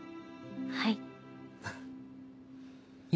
はい。